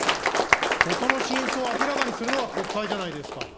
事の真相を明らかにするのが国会じゃないですか。